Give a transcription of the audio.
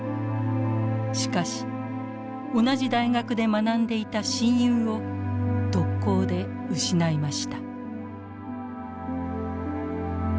しかし同じ大学で学んでいた親友を特攻で失いました。